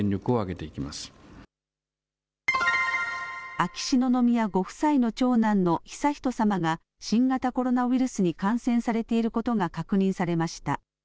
秋篠宮ご夫妻の長男の悠仁さまが新型コロナウイルスに感染されていることが確認されました。